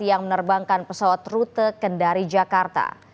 yang menerbangkan pesawat rute kendari jakarta